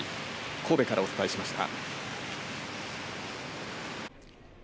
神戸からお伝えしました。